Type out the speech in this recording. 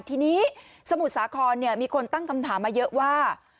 ทีนี้สมุทรสาครมีคนตั้งคำถามมาเยอะว่า